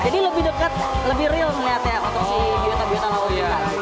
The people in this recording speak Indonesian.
jadi lebih dekat lebih real melihat ya untuk si biota biota yang lainnya